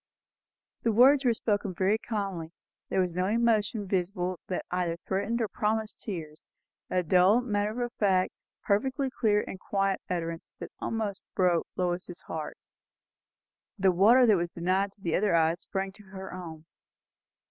The words were spoken very calmly; there was no emotion visible that either threatened or promised tears; a dull, matter of fact, perfectly clear and quiet utterance, that almost broke Lois's heart. The water that was denied to the other eyes sprang to her own.